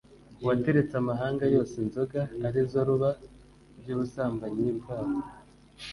wateretse amahanga yose inzoga arizo ruba ry'ubusambanyi bwawo